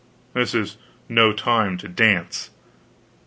This is no time to dance.